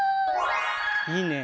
いいね